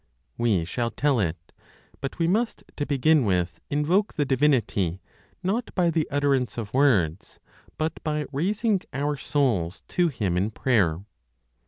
We shall tell it. But we must, to begin with, invoke the Divinity, not by the utterance of words, but by raising our souls to Him in prayer.